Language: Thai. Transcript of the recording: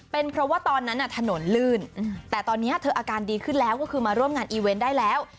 เป็นเพราะว่าตอนนั้นถนนลื่นแต่ตอนนี้เธออาการดีขึ้นแล้วก็คือมาร่วมงานอีเวนต์ได้แล้ว